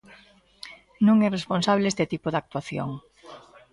Non é responsable este tipo de actuación.